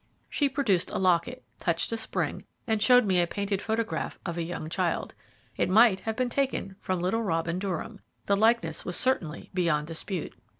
She produced a locket, touched a spring, and showed me a painted photograph of a young child. It might have been taken from little Robin Durham. The likeness was certainly beyond dispute.